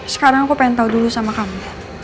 sekarang aku pengen tau dulu sama kamu